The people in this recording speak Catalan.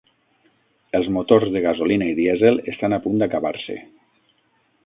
Els motors de gasolina i dièsel estan a punt d'acabar-se.